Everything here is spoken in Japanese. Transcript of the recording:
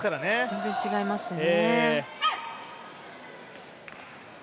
全然違いますね。